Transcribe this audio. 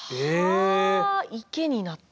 はあ池になった。